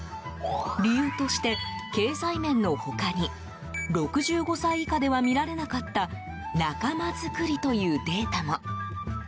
理由として、経済面の他に６５歳以下では見られなかった仲間づくりというデータも。